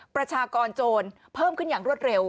ประชากรโจรเพิ่มขึ้นอย่างรวดเร็ว